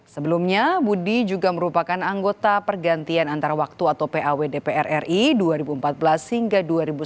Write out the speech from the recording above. sebelumnya budi juga merupakan anggota pergantian antar waktu atau paw dpr ri dua ribu empat belas hingga dua ribu sembilan belas